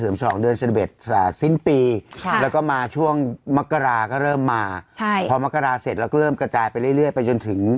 พอมกราเสร็จเราก็เริ่มกระจายไปเรื่อยไปจนถึง